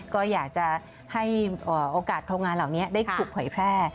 ก็อยากจะให้โอกาสโรงงานเหล่านี้ได้ถูกเผยแพร่